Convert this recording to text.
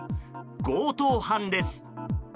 強盗犯です。